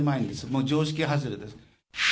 もう常識外れです。